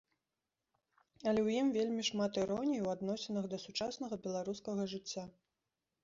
Але ў ім вельмі шмат іроніі ў адносінах да сучаснага беларускага жыцця.